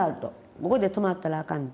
ここで止まったらあかん。